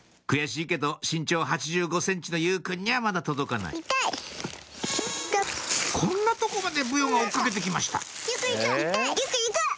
悔しいけど身長８５ｃｍの祐くんにはまだ届かないこんなとこまでブヨが追っ掛けて来ました